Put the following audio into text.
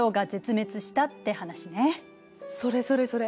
それそれそれ。